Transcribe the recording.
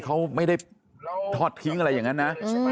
เขาไม่ได้ทอดทิ้งอะไรอย่างนั้นนะ